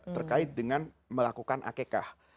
terkait dengan melakukan akikah